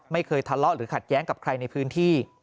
ไม่เคยทะเลาะหรือขัดแย้งกับใครในพื้นที่